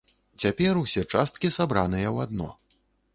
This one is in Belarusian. Цяпер усе часткі сабраныя ў адно.